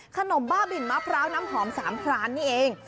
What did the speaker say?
ขนมบ้าบินมะพร้าวน้ำหอม๓ร้านนี้เอง